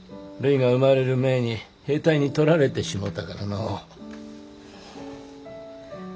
るいが生まれる前に兵隊に取られてしもうたからのう。